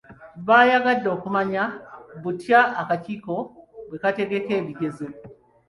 Baayagadde okumanya butya akakiiko bwe kategeka ebigezo.